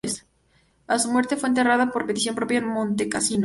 A su muerte, fue enterrada, por petición propia, en Montecassino.